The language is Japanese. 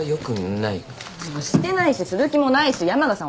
してないしする気もないし山賀さんは大人だよ。